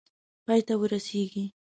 پای ته ورسیږي.